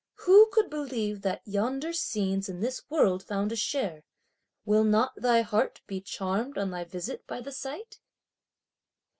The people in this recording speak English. Who could believe that yonder scenes in this world found a share! Will not thy heart be charmed on thy visit by the sight?